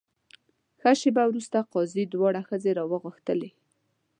ښه شېبه وروسته قاضي دواړه ښځې راوغوښتلې.